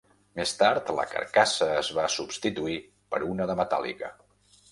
Més tard, la carcassa es va substituir per una de metàl·lica.